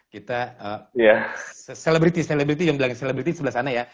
kita selebriti yang bilang selebriti sebelah sana ya